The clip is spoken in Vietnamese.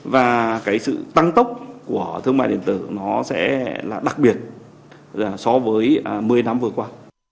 và cái sự tăng tốc của thương mại điện tử nó sẽ là đặc biệt so với một mươi năm vừa qua